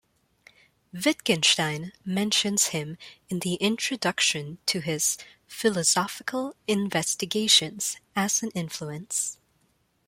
Wittgenstein mentions him in the introduction to his "Philosophical Investigations" as an influence.